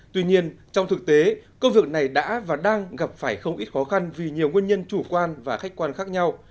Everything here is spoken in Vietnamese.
tuy nhiên trong thực tế công việc này đã và đang gặp phải không ít khó khăn vì nhiều nguyên nhân chủ quan và khách quan khác nhau